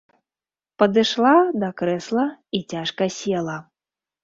Падышла да крэсла і цяжка села.